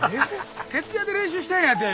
徹夜で練習したんやて。